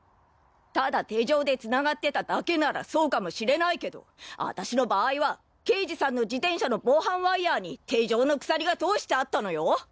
ただ手錠で繋がってただけならそうかもしれないけど私の場合は刑事さんの自転車の防犯ワイヤーに手錠の鎖が通してあったのよ？